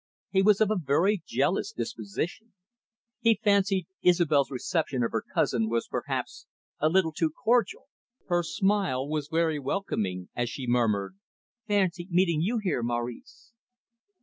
He was of a very jealous disposition. He fancied Isobel's reception of her cousin was perhaps a little too cordial. Her smile was very welcoming, as she murmured, "Fancy meeting you here, Maurice."